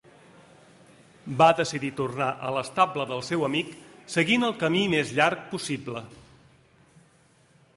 Va decidir tornar a l'estable del seu amic seguint el camí més llarg possible.